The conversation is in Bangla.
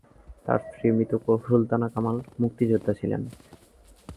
তার স্ত্রী মৃত সুলতানা কামাল মুক্তিযোদ্ধা ছিলেন।